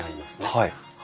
はい。